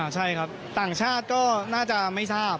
ใช่ครับต่างชาติก็น่าจะไม่ทราบ